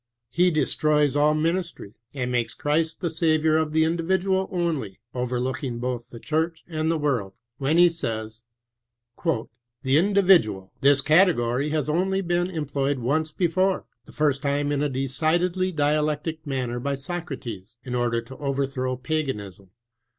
He de stroys all ministry, and makes Christ the saviour of the individual only, overlooking both the church and the world when he says, " The individual— this category has only been employed once before, the first time in a de cidedly dialectic manner by Socrates in order to overthrow paganism.